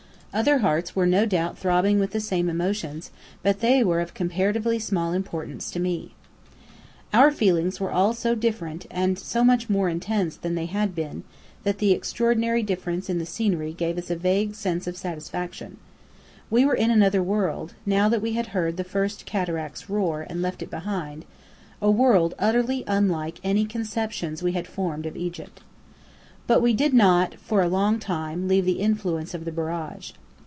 Other hearts were no doubt throbbing with the same emotions, but they were of comparatively small importance to me. Our feelings were all so different and so much more intense than they had been, that the extraordinary difference in the scenery gave us a vague sense of satisfaction. We were in another world, now that we had heard the first cataract's roar, and left it behind; a world utterly unlike any conceptions we had formed of Egypt. But we did not for a long time leave the influence of the Barrage.